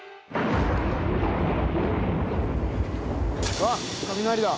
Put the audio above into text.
うわっ雷だ！